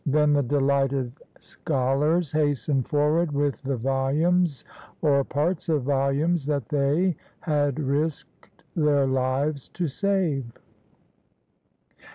Then the delighted scholars hastened forward with the volumes or parts of volumes that they had risked their lives to save.